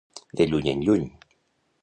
De lluny en lluny.